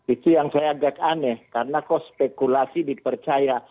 itu yang saya agak aneh karena kok spekulasi dipercaya